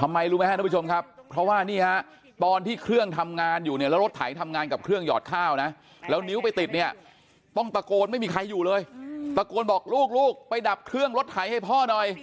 ทำไมรู้ไหมครับทุกผู้ชมครับเพราะว่านี่ฮะตอนที่เครื่องทำงานอยู่เนี่ยแล้วรถไถทำงานกับเครื่องหยอดข้าวนะแล้วนิ้วไปติดเนี่ยต้องตะโกนไม่มีใครอยู่เลยตะโกนบอกลูกลูกไปดับเครื่องรถไถให้พ่อหน่อย